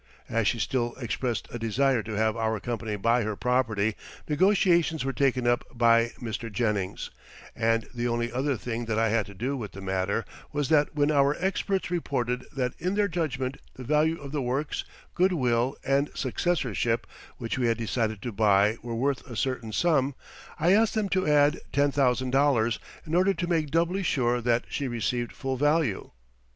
As she still expressed a desire to have our company buy her property, negotiations were taken up by Mr. Jennings, and the only other thing that I had to do with the matter was that when our experts reported that in their judgment the value of the works, good will, and successorship which we had decided to buy were worth a certain sum, I asked them to add $10,000, in order to make doubly sure that she received full value.